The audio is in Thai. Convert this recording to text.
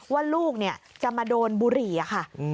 ว่าลูกเนี่ยจะมาโดนบุหรี่อ่ะค่ะอืม